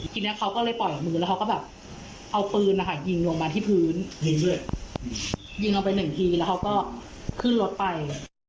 ทีนี้เขาก็เลยปล่อยมือแล้วเขาก็แบบเอาปืนนะคะยิงลงมาที่พื้นยิงด้วยยิงลงไปหนึ่งทีแล้วเขาก็ขึ้นรถไป